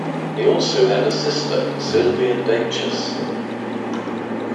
He also had a sister, Sylvia Daiches.